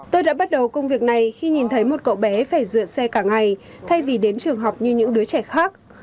tôi đã bắt đầu công việc này khi nhìn thấy một cậu bé phải dựa xe cả ngày thay vì đến trường học như những đứa trẻ khác